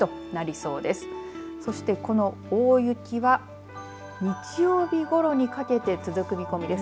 そして、この大雪は日曜日ごろにかけて続く見込みです。